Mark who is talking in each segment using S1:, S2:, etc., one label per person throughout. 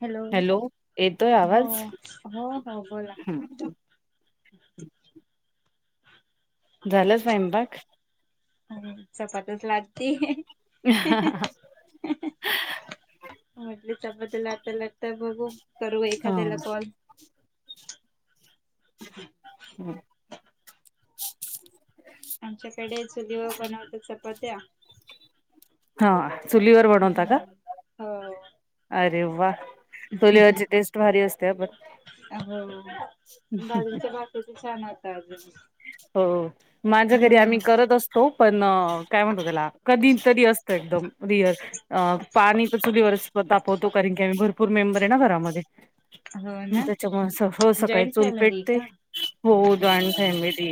S1: Hello
S2: येतोय
S1: हो
S2: आवाज
S1: हो का हो बोला.
S2: झालं स्वयंपाक?
S1: अजून चपात्याच लाटती.
S2: [unintelligible]
S1: म्हटली चपात्या लाटता-लाटता बघू करू एखाद्याला कॉल.
S2: हम्म.
S1: आमच्याकडे चुलीवर बनवत्या चपात्या.
S2: हां चुलीवर बनवता का?
S1: हम्म हो.
S2: अरे वाह. चूलीवरची टेस्ट भारी असते हा पण.
S1: तु ते छान आता अजून.
S2: हो माझ्या घरी
S1: हम्म
S2: आम्ही करत अस तो पण काय म्हणतो त्याला कधी तरी असतं एकदम. वीअर अ पाणी तर चुलीवरच तापवतो कारण की आम्ही भर पूर मेंबर आहे ना घरामध्ये
S1: हो
S2: मग
S1: ना
S2: त्याच्यामुळं असं हो सकाळी
S1: जॉईंट
S2: चुल
S1: फॅमिली
S2: पेटते
S1: का
S2: हो जॉईन फॅमिली,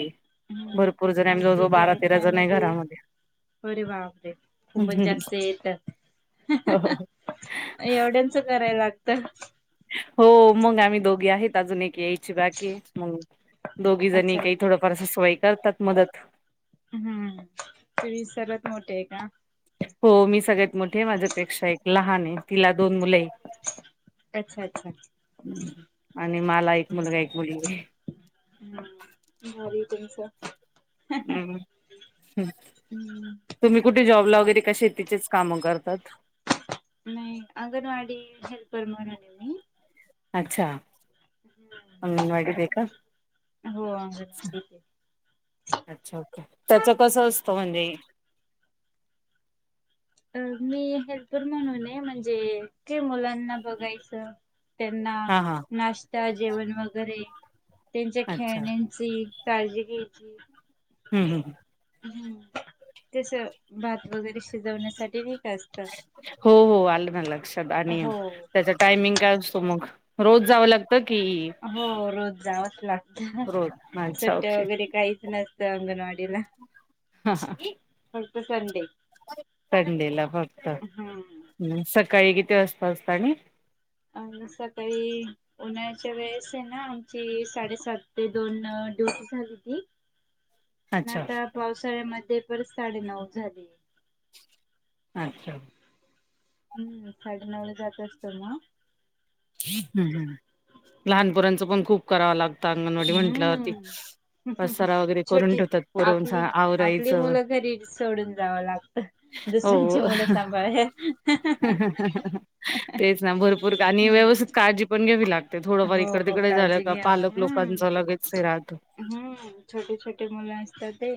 S1: हम्म.
S2: भरपूर जण आहे आम्ही
S1: आमची
S2: जवळ-जवळ बारा
S1: जॉईंट
S2: तेरा जण आहे
S1: फॅमिली
S2: घरामध्ये.
S1: अरे बापरे! खूपच जास्तये हे तर.
S2: हो हो.
S1: एवढ्यांचं कराय लागतं.
S2: हो मग आम्ही दोघी आहेत अजून एक येय ची बाकी आहे मंग दोघी जणी
S1: अच्छा
S2: काही
S1: अच्छा
S2: थोडंफार सासूबाई करतात मदत.
S1: हम्म तुम्ही सर्वात मोठे आहे का?
S2: हो मी सगळ्यात मोठी आहे माझ्यापेक्षा एक लहान आहे तिला दोन मुलंये.
S1: अच्छा अच्छा.
S2: हम्म आणि माला एक मुलगा एक मुलगी हाय.
S1: हम्म भारी तुमचा.
S2: उम्म हम्म.
S1: हम्म.
S2: तुम्ही कुठे जॉबला वगैरे का, शेतीचेच कामं करतात?
S1: नाही, अंगणवाडी हेल्पर म्हणून ये मी.
S2: अच्छा, अंगणवाडीत ये का?
S1: हो अंगणवाडीत आहे.
S2: अच्छा ओके, त्याच कसं असतं म्हणजे
S1: अ मी हेल्पर म्हणून ये, म्हणजे कि मुलांना बघायच त्यांना
S2: हा हा
S1: नाश्ता, जेवण वगैरे, त्यांच्या
S2: अच्छा
S1: खेळण्यान ची काळजी घ्यायची
S2: हं, हं.
S1: हम्म, तस भात वगैरे शिजवण्यासाठी नाही का असत
S2: हो हो, आल ना लक्षात आणि त्याच्यात टायमिंग काय असतो मग, रोज जाव लागत की
S1: हो रोज जावच लागत,
S2: रोज अच्छा
S1: सुट्ट्या
S2: ओके
S1: वगैरे काहीच नस त्या अंगणवाडीला.
S2: हा हा
S1: पुढचा संडे
S2: संडेला फक्त,
S1: हम्म
S2: हं सकाळी किती वाजता उठता नी?
S1: आन सकाळी उन्हाळ्याच्या वेळेस आहे ना आमची साडेसात ते दोन अ ड्युटी झालीती
S2: [inaudible]
S1: अन आता पावसाळ्यामध्ये, परत साडेनऊ झाली.
S2: अच्छा.
S1: हम्म, साडे नवला जात असतो मग.
S2: हम्म हम्म, लहानपोरांच पण खूप कराव लागत, अंगणवाडी म्हटल्यावरती
S1: हम्म
S2: पसारा वगैरे करून
S1: छोटी
S2: ठेवतात पोरांच,
S1: आपली
S2: आवरायच
S1: आपली मुलं घरी सोडून जावं लागतं
S2: हो,
S1: दुसऱ्यांची मुलं सांभाळाय
S2: तेच ना भरपूर [unintelligible] नी व्यवस्थित
S1: हम्म
S2: काळजी पण घ्यावी लागते, थोडंफार इकड
S1: हो
S2: तिकडे झालं
S1: काळजी
S2: तर
S1: घ्या
S2: पालक
S1: हम्म
S2: लोकांचं लगेच हे राहत
S1: हम्म, छोटे-छोटे मुलं असतात ते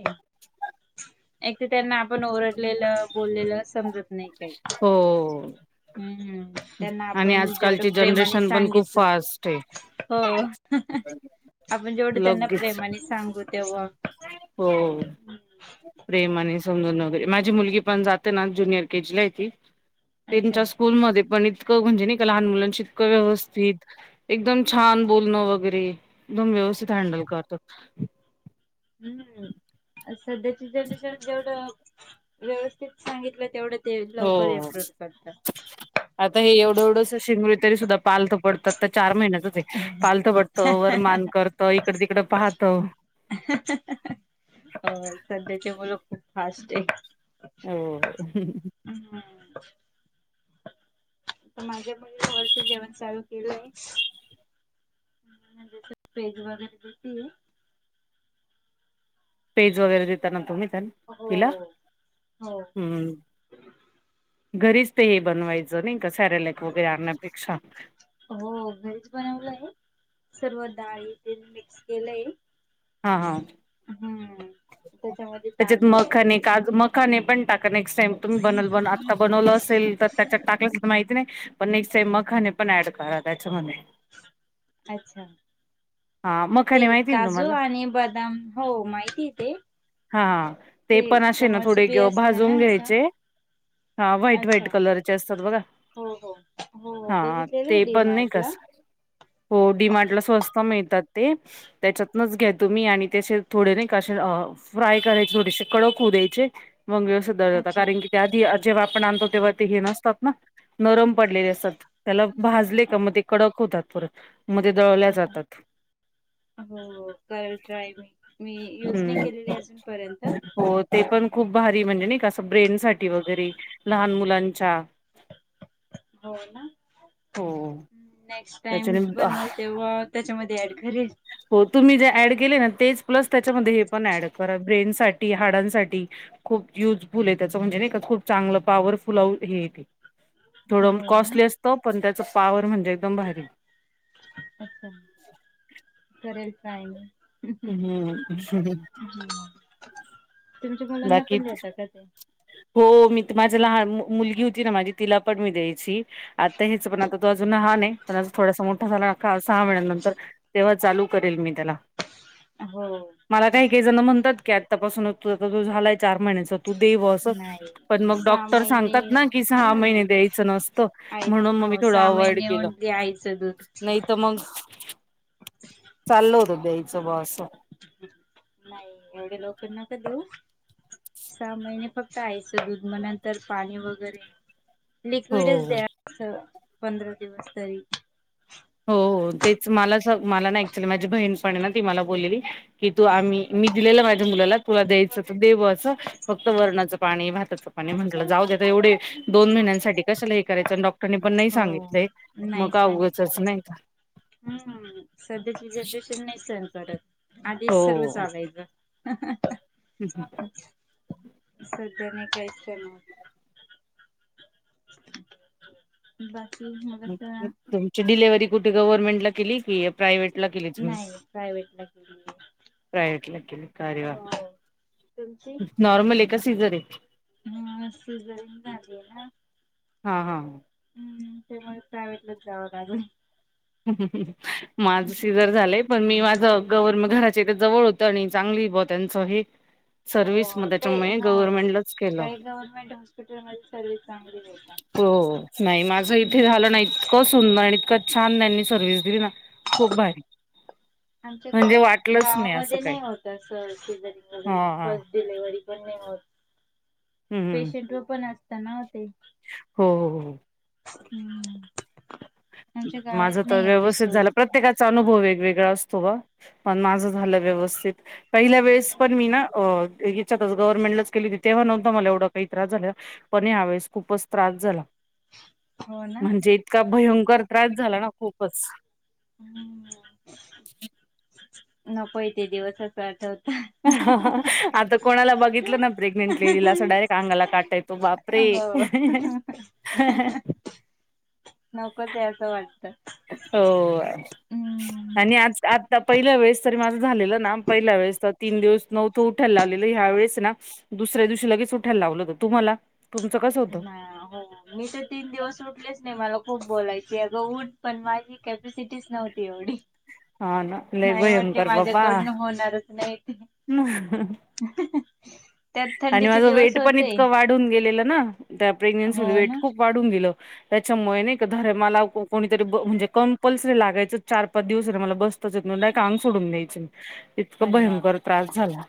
S1: एक तर त्यांना आपण ओरडलेल, बोललेल समजत नाही काही.
S2: हो
S1: हम्म, त्यांना
S2: आणि
S1: आपण जेवढं
S2: आजकालची
S1: प्रेमाने
S2: जनरेशन पण खूप
S1: सांगितल,
S2: फास्ट आहे
S1: हो ह आपण जेवढं त्यांना
S2: लगेच
S1: प्रेमाने सांगू तेव्हा
S2: हो प्रेमाने समजून वगैरे, माझी मुलगी पण जाते ना ज्युनियर केजी ला आहे ती
S1: अच्छा
S2: तेंच्या स्कूलमध्ये पण इतक म्हणजे नाही का लहान मुलांशी इतक व्यवस्थित एकदम छान बोलणं वगैरे, एकदम व्यवस्थित हँडल करतात.
S1: हम्म, सध्याचे जनरेशन जेवढं व्यवस्थित सांगितलय तेवढ ते लवकर
S2: हो.
S1: [inaudible] करतात,
S2: आता हे
S1: हम्म
S2: [unintelligible] सुद्धा पालथ पडतात तर चार महिन्याच पालथ पडतो, वर मान करतो, इकड-तिकड पाहतो.
S1: अ सध्याचे मुल खूप फास्ट ये.
S2: हो
S1: हम्म ह पण माझ्या मुलीला वरच जेवण चालू केलय म्हणजे पेज वगैरे देतीये.
S2: पेज वगैरे देताना तुम्ही त्यांना
S1: हो
S2: तिला,
S1: हो हो
S2: हम्म घरीच ते हे बनवायचं नाही का, सॅरलक वगैरे आण्यापेक्षा.
S1: हो व्हेज बनवलय, सर्व डाळी तेन मिक्स केलय
S2: हं हां
S1: हं
S2: त्याच्यात मग कानी काजु म मखाने हे पण टाका नेक्स्ट टाइम तुम्ही बनल बन आत्ता बनवलं असेल तर त्याच्यात टाकल काय माहिती नाही पण नेक्स्ट टाईम मखाणे पण ऍड करा त्याच्यामध्ये
S1: अच्छा
S2: हा
S1: ते
S2: मखाने माहिती ना
S1: काजु
S2: तुम्हाला
S1: आणि बदाम हो माहितीये ते
S2: हां ते पण असे ना थोडे
S1: कमळचं बी
S2: घेऊ पण
S1: असतं
S2: भाजुन
S1: ना असं
S2: घ्यायचे हां व्हाईट व्हाईट
S1: अच्छा
S2: कलरचे असतात बघा
S1: हो हो हो
S2: हा
S1: बघितलेलं आहे
S2: ते
S1: डी
S2: पण नाही का
S1: मार्टला
S2: हो डीमार्टला स्वस्त मिळतात ते त्याच्यातनच घ्या तुम्ही आणि तसेच थोडे नाय असेच अं फ्राय करायचे थोडेसे कडक होउ द्यायचे मग अस दळता
S1: अच्छा.
S2: कारण की आधी जेव्हा आपण आणतो तेव्हा ते हे नसतात ना नरम पडलेले असतात त्याला भाजले का मग ते कडक होतात परत मग ते दळल्या जातात
S1: हो करल ट्राय करेल मी युज नाही
S2: हम्म
S1: केलेली अजुन पर्यंत
S2: हो ते पण खुप भारी म्हणजे नाही अस ब्रेन साठी वगैरे लहान मुलांच्या
S1: हो ना
S2: हो
S1: नेक्स्ट टाइम
S2: त्याच्याने
S1: बनवाल तेव्हा त्याच्यामध्ये ऍड करेल
S2: हो तुम्ही जे ऍड केले ना तेच प्लस त्याच्यामध्ये हे पण ऍड करा ब्रेनसाठी हाडांसाठी खुप युजफुल आहे त्याच म्हणजे नाही का खुप चांगल पॉवरफुल हे ते थोड
S1: हो ना
S2: कॉस्टली असत पण त्याच पॉवर म्हणजे एकदम भारी
S1: करेल‌ ट्राय मी
S2: हम
S1: हं तुमच्या मुलांना
S2: बाकी
S1: पण देता का ते
S2: हो मी माझी लहान मुलगी होती ना माझी तिला पण मी द्यायची आता हेच पण आता तो अजुन लहान आहे पण थोडासा मोठा झाला का सहा महिन्यानंतर तेव्हा चालु करेल मी त्याला
S1: हो.
S2: मला काही काही जण म्हणतात की आत्तापासुनच तुझा तो झालाय चार महिन्याचा तु दे बा अस
S1: नाही.
S2: पण मग
S1: सहा
S2: डॉक्टर
S1: महिने
S2: सांगतात ना की सहा महिने
S1: हम्म
S2: द्यायच नस ते
S1: आईच
S2: म्हणुन मग मी
S1: हो
S2: थोड
S1: सहा
S2: अवॉइड
S1: महिने
S2: केल
S1: ओन्ली आईचं दूध.
S2: नाही तर मग- चालल होत द्यायच बा अस
S1: नाही एवढ्या लवकर नका देऊ सहा महिने फक्त आईच दुध म नंतर पाणी वगैरे लिक्वीड च
S2: हो.
S1: द्याव लागत पंधरा दिवस तरी
S2: हो हो तेच मला मला ना ऍक्च्युली माझी बहीण पण ना ती मला बोललेली की तु आम्ही मी दिलेल माझ्या मुलाला तुला द्यायच त दे बा अस फक्त वरणाचं पाणी भाताच पाणी म्हंटल जाऊ दे एवढे दोन महिन्यांसाठी कशाला हे करायच डाॅक्ट रांनी पण नाही
S1: हो.
S2: सांगितलय मग
S1: नाही
S2: का उगचच
S1: सांगितलं.
S2: नाही का
S1: हम्म सध्याची जनरेशन नाही सहन करत आधीच सर्व चालायच हं हं
S2: हम् हम [inaudible]
S1: सध्या नाही काहीच करण होत बाकी मग आता
S2: तुमची डिलेव्हरी कुठे गव्हरर्मेंट ला केली कि प्राइवेट ला केली तुम्ही
S1: नाही प्रायव्हेट ला केलीये.
S2: प्रायवट ला केली काे वा
S1: हो
S2: नॉर्मल आहे का सीझर आहे.
S1: ह सिझर झाली आहे ना.
S2: हा हा.
S1: हम्म ते मग प्रायव्हेटलाच जावं लागल.
S2: माझ सिजर झालय. पण मी माझं गर म घराचेथ जवळ होतं आणि चांगली ब त्यांचं हे.
S1: हो
S2: सर्व्हिस मग
S1: काही
S2: त्याच्यामुळे
S1: हो
S2: गव्हर्नमेंटलाच केलं.
S1: काही गव्हर्नमेंट हॉस्पिटल म सर्वि्हस चांगली हो का.
S2: हो नाही माझं इथे झालं नाही इतकं सुंदर आणि इतकं सर्व्हिस दिली ना. खूप भारी.
S1: आमच्या
S2: म्हणजे
S1: गाव
S2: वाटलंच असं
S1: गावामध्ये
S2: काही
S1: नाही होत अस सिजरिंग
S2: हा
S1: वगैरे फ.
S2: हा
S1: डिलिव्हरी पण नाही होत
S2: हम्म
S1: पेशंट वर पण असत ना ते.
S2: हो हो हो.
S1: हम्म. आमच्या
S2: माझ
S1: गावात
S2: तर
S1: नाही एवढी
S2: व्यवस्थित
S1: सोय.
S2: झालं प्रत्येकाचा अनुभव वेगवेगळा असतो. पण माझं झालं व्यवस्थित पहिल्या वेळेस पण मी ना अ. गव्हर्नमेंटच केली तेव्हा नव्हता मला एवढा काही त्रास झाला पण या वेळेस खूपच त्रास झाला.
S1: हो ना.
S2: म्हणजे इतका भयंकर त्रास झाला ना खूपच.
S1: हम नकोय ते दिवस आता आठवत.
S2: आता कोणाला बघितलं ना प्रेग्नंट असं डायरेक्ट अंगाला काटा येतो बाप रे.
S1: हो.
S2: हा हा.
S1: नको ते असं वाटत.
S2: हो आणि आ आता. पहिल्या वेळेस तरी माझं झालेलं ना पहिल्या वेळेस तर तीन दिवस तरी उठायला लावलेलं ह्या वेळेस ना. दुसऱ्या दिवशी लगेच उठायला लावलं होत. तुम्हाला? तुमच कस?
S1: नाही हो. मी तर तीन दिवस उठलेच नाही मला खूप बोलायचे अगंऊन पण माझी कॅपॅसिटीच नव्हती. तेवढी
S2: हा ना लय
S1: नाही म्हटले
S2: भयंकर
S1: माझ्याकडून होणारच नाही ते.
S2: ह.
S1: त्यात थंडीचे दिवस होते.
S2: तुटून गेलेलं ना त्या प्रेग्नेंसी मुळे
S1: हो
S2: वेट
S1: ना.
S2: खूप वाढून त्याच्यामुळे नाही का. कोणीतरी ब म्हणजे कम. पल्सरे लागायच चार पाच दिवस र मला बसताचडय का आंग सोडून द्यायं इतकं
S1: अरे
S2: भयंकर.
S1: बापरे
S2: त्रास झाला.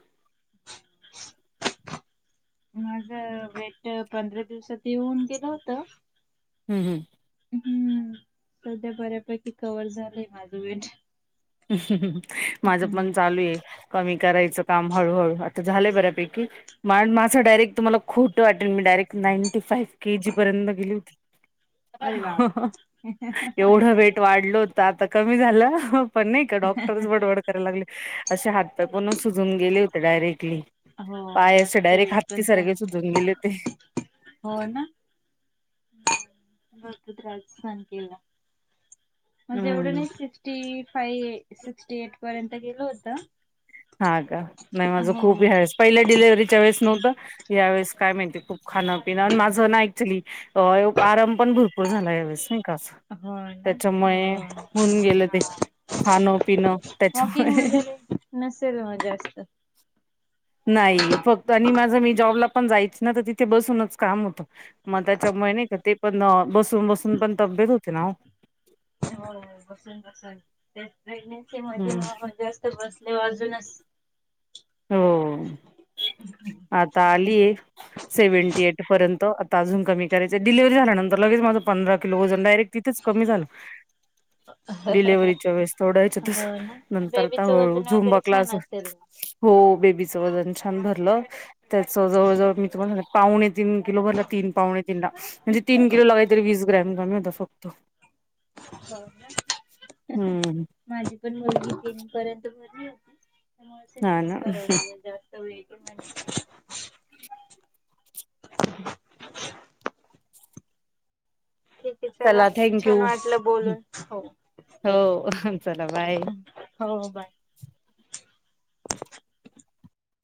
S1: माझ वेट पंधरा दिवसात येऊन गेलं होत.
S2: हम्म हम्म.
S1: हम्म सध्या बऱ्यापैकी कवर झालंय माझं वेट.
S2: माझं पण
S1: हम्म.
S2: चालू आहे. कमी करायचं काम हळूहळू आता झालंय बऱ्यापैकी. मा माझा डारेट तुम्हाला खोटं वाटेल मी direct ninety five K G पर्यंत गेली होती.
S1: अरे बापरे
S2: एवढं वेट वाढल. तर आता कमी झालं. पण नाही का डॉक्टरच बडबड करायला लागले असे हात पॅकूनच सुजून गेले होते डायरेक्टली.
S1: हो
S2: पाय असं
S1: जास्त
S2: डायरेक्ट
S1: वेट
S2: हात ती
S1: पण
S2: सारखे
S1: चांग
S2: सुजून गेले होते.
S1: हो ना बघत राहायचं [unintelligible] म्हणजे एवढं
S2: हम्म
S1: नाही सिक्स्टी फाई सिक्स्टी एट पर्यंत गेलं होत.
S2: हा का नाही माझं खूप हा वेळेस पहिल्या डिलेव्हीच्या वेळेस नव्हतं. यावेेळेस काय माहिती खूप खाण पिणं माझं ना ऍक्चुली आराम पण भरपूर. भरपूर झाला ह्यावेळेस नाही का असं
S1: हो ना
S2: त्याच्यामुळे
S1: हो. हा
S2: होऊन गेलं ते. खान पिन
S1: वॉकिंग
S2: त्याच्यामुळे.
S1: वगैरे नसेल मग जास्त.
S2: नाही फक्त आणि माझं मी जॉबला पण ना तिथे बसूनच. काम होत मग त्याच्यामुळे नाही का ते पण बसून बसून पण तब्येत होते ना.
S1: हो बसून बसून तेे प्रेग्नेंसी मध्ये
S2: हम्म
S1: माहल जास्त बसले अजूनच.
S2: हो आता आलीय. सेव्हणटी येट पर्यंत आता अजून करायचय डिलले्हरी झाल्यानंतर लगेच माझं. पंधरा किलो वजन डायरेट तिथेच कमी झालं. डिलेव्हरीच्या वेळेस थोड्याच्या तस
S1: हो ना.
S2: नंतरता
S1: बेबीचं
S2: हळू हळू
S1: वजन
S2: झूमबा
S1: वगैरे छान
S2: क्लास.
S1: असेल.
S2: हो बेबीचं वजन छान भरलं त्याच जवळ जवळ मी तुम्हाला. पाहणे तीन किलो भरला तीन पाहुणे तीन ला म्हणजे तीन किलो लागाय तरी वीस ग्रॅम कमी होता फक्त.
S1: हो का
S2: हम्म
S1: माझी पण मुलगी तीन पर्यंत भरली होती.
S2: हा ना
S1: जावस जास्त वेळ पण. [inaudible] एक. की चला
S2: थँंक यू
S1: छान वाटलं बोलून हो.
S2: हो चला बाय
S1: हो बाय.